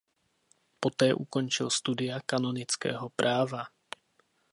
Poté ukončil studia kanonického práva.